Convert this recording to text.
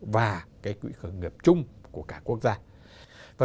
và quỹ khởi nghiệp chung của cả quốc gia